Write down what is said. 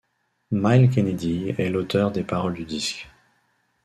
Myles Kennedy est l'auteur des paroles du disque.